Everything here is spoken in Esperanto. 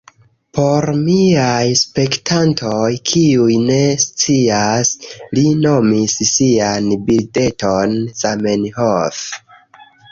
Por miaj spektantoj, kiuj ne scias... li nomis sian birdeton Zamenhof